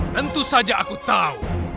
tentu saja aku tahu